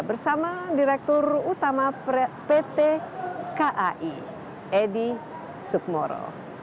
bersama direktur utama pt kai edi sukmoro